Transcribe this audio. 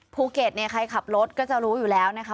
ภูเก็ตเนี่ยใครขับรถก็จะรู้อยู่แล้วนะคะ